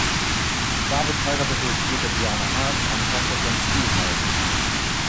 David heiratete später Diana Hart, eine Tochter von Stu Hart.